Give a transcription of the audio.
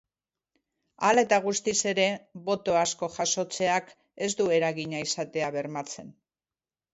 Hala eta guztiz ere, boto asko jasotzeak ez du eragina izatea bermatzen.